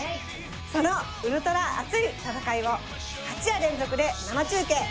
そのウルトラ熱い戦いを８夜連続で生中継。